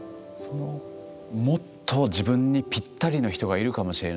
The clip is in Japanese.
もっと自分にぴったりの人がいるかもしれない。